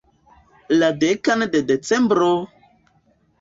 La dekan de Decembro!